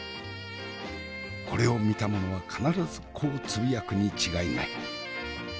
これを見た者は必ずこうつぶやくに違いない。